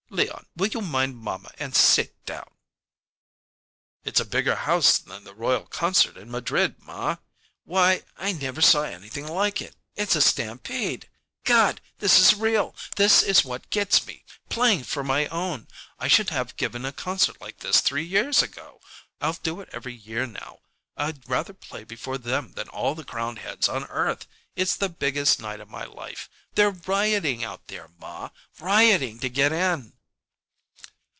Leon, will you mind mamma and sit down?" "It's a bigger house than the royal concert in Madrid, ma. Why, I never saw anything like it! It's a stampede. God! this is real this is what gets me, playing for my own! I should have given a concert like this three years ago. I'll do it every year now. I'd rather play before them than all the crowned heads on earth. It's the biggest night of my life. They're rioting out there, ma rioting to get in."